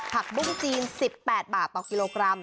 ผักบุ้งจีน๑๘บาทต่อกิโลกรัม